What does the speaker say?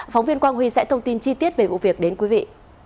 phóng viên quang huy sẽ thông tin chi tiết về vụ việc đến quý vị